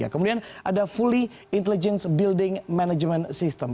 kemudian ada fully intelligence building management system